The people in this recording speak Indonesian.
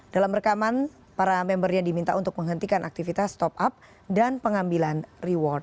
dalam rekaman para membernya diminta untuk menghentikan aktivitas top up dan pengambilan reward